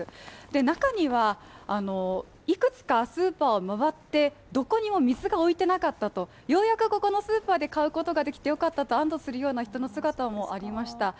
中には、いくつかスーパーを回ってどこにも水が置いてなかったと、ようやくここのスーパーで買うことができてよかったと安どするような人の姿もありました。